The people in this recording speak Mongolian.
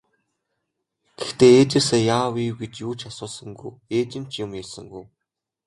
Гэхдээ ээжээсээ яав ийв гэж юу ч асуусангүй, ээж нь ч юм ярьсангүй.